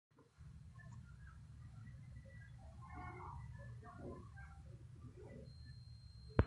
அதற்குராஜன் பாபு பதில் கூறியபோது, கதர் இந்திய தேசியத்தின் சின்னம் என்றார்.